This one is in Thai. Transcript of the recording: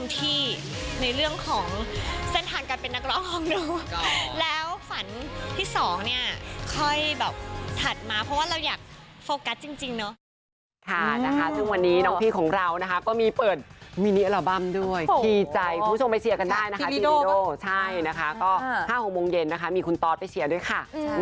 เพราะว่าเราอยากโฟกัสจริงเนอะ